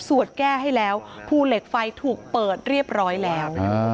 แก้ให้แล้วภูเหล็กไฟถูกเปิดเรียบร้อยแล้ว